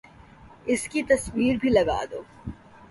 اس کی تصویر بھی لگا دو